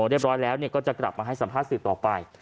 เรียบร้อยแล้วก็จะกลับมาให้สัมภาษณ์สื่อต่อไป